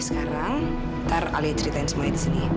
sekarang aku pergi